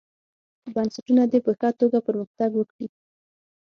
بنسټونه دې په ښه توګه پرمختګ وکړي.